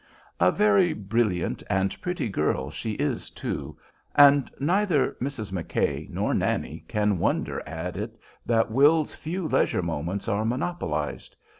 A very brilliant and pretty girl she is, too, and neither Mrs. McKay nor Nannie can wonder at it that Will's few leisure moments are monopolized.